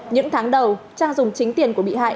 những tháng đầu trang dùng chính tiền của bị hại